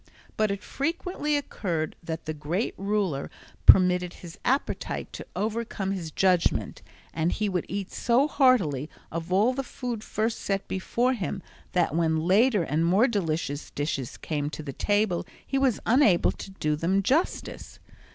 But it frequently occurred that the great ruler permitted his appetite to overcome his judgment, and he would eat so heartily of the food first set before him that when later and more delicious dishes came to the table he was unable to do them justice.